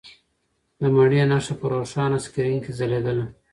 د مڼې نښه په روښانه سکرین کې ځلېدله.